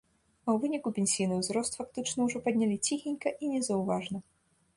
А ў выніку пенсійны ўзрост фактычна ўжо паднялі ціхенька і незаўважна.